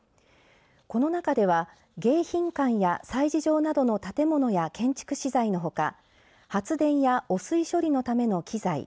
この中では迎賓館や催事場などの建物や建築資材のほか発電や汚水処理のための機材